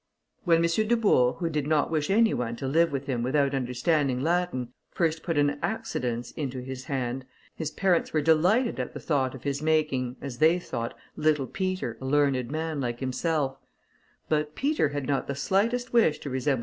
When M. Dubourg, who did not wish any one to live with him without understanding Latin, first put an Accidence into his hand, his parents were delighted at the idea of his making, as they thought, little Peter a learned man like himself; but Peter had not the slightest wish to resemble M.